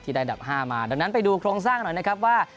ได้อันดับ๕มาดังนั้นไปดูโครงสร้างหน่อยนะครับว่า